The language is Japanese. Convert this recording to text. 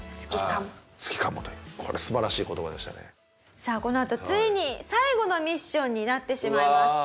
さあこのあとついに最後のミッションになってしまいます。